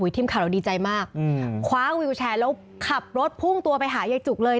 ทีมข่าวเราดีใจมากคว้าวิวแชร์แล้วขับรถพุ่งตัวไปหายายจุกเลย